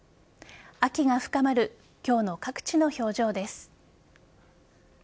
秋が深まる今日の各地の表情です。